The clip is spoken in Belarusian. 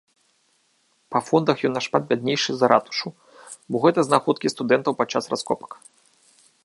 Па фондах ён нашмат бяднейшы за ратушу, бо гэта знаходкі студэнтаў падчас раскопак.